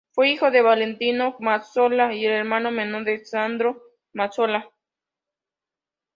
Fue hijo de Valentino Mazzola y el hermano menor de Sandro Mazzola.